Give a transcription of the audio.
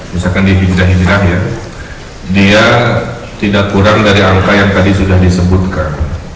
misalkan di hijrah hijrah ya dia tidak kurang dari angka yang tadi sudah disebutkan